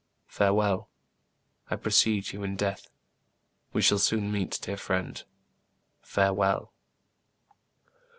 " Farewell ! I precede you in death. We shall soon meet, dear friend. Farewell